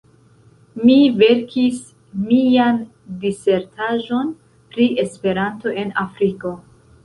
Mi verkis mian disertaĵon pri Esperanto en Afriko.